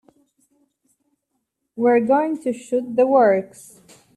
We're going to shoot the works.